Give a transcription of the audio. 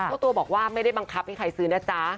เจ้าตัวบอกว่าไม่ได้บังคับให้ใครซื้อนะจ๊ะ